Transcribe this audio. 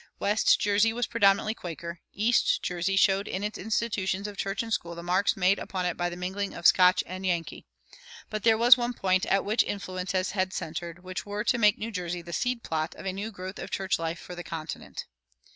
West Jersey was predominantly Quaker; East Jersey showed in its institutions of church and school the marks made upon it by the mingling of Scotch and Yankee. But there was one point at which influences had centered which were to make New Jersey the seed plot of a new growth of church life for the continent.